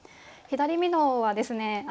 左美濃はですね